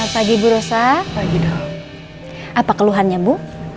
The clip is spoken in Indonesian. pagi buruh saya lagi dong apa keluhannya bu